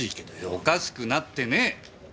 おかしくなってねえ！